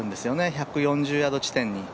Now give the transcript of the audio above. １４０ヤード地点に。